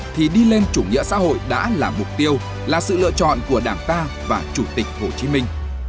thì đi lên chủ nghĩa xã hội đã là mục tiêu là sự lựa chọn của đảng ta và chủ tịch hồ chí minh